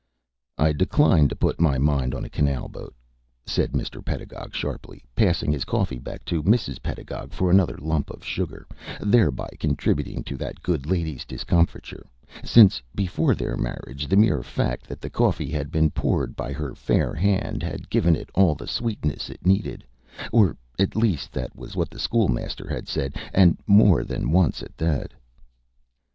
"I decline to put my mind on a canal boat," said Mr. Pedagog, sharply, passing his coffee back to Mrs. Pedagog for another lump of sugar, thereby contributing to that good lady's discomfiture, since before their marriage the mere fact that the coffee had been poured by her fair hand had given it all the sweetness it needed; or at least that was what the School Master had said, and more than once at that.